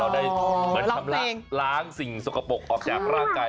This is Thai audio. เราได้ล้างสิ่งสกปรกออกจากร่างกาย